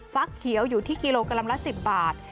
เขียวอยู่ที่กิโลกรัมละ๑๐บาท